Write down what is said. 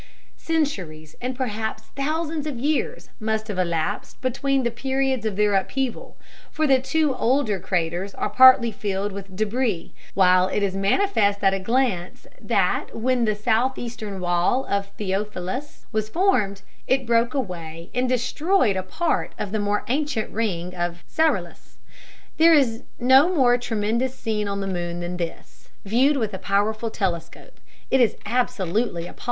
Centuries, and perhaps thousands of years, must have elapsed between the periods of their upheaval, for the two older craters are partly filled with débris, while it is manifest at a glance that when the south eastern wall of Theophilus was formed, it broke away and destroyed a part of the more ancient ring of Cyrillus. There is no more tremendous scene on the moon than this; viewed with a powerful telescope, it is absolutely appalling.